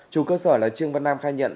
chủ cơ sở là trương văn nam khai nhận